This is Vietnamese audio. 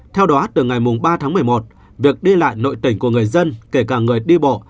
theo đó từ ngày ba tháng một mươi một việc đi lại nội tỉnh của người dân kể cả người đi bộ